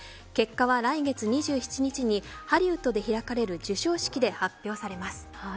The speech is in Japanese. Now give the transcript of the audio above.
結果は、来月２７日にハリウッドで開かれる授賞式で発表されます。